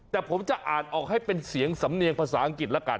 แต่ผมจะอ่านออกให้เป็นเสียงสำเนียงภาษาอังกฤษละกัน